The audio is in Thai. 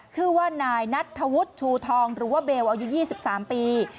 ชื่อว่านายนัทธวุฒิชูทองหรือว่าเบลอายุ๒๓ปี